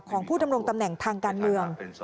ของผู้ดำรงตำแหน่งทางการเมือง